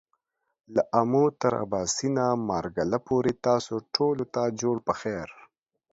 له آمو تر آباسينه ، مارګله پورې تاسو ټولو ته جوړ پخير !